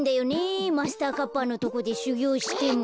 マスターカッパーのとこでしゅぎょうしても。